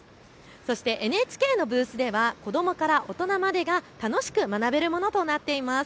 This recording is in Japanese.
そしてＮＨＫのブースでは子どもから大人までが楽しく学べるものとなっています。